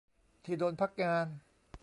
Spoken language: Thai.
ที่โดนพักงาน